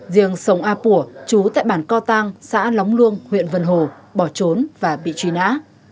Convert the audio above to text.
riêng sông a pùa chú tại bản co tăng xã lóng luông huyện vân hồ bỏ trốn và bị truy nã